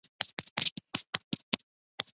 他被任命为特拉斯塔马拉公爵。